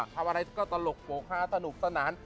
ทำอะไรก็ตลกโปรกฮาสนุกสนาน